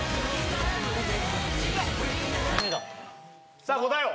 さあ答えを！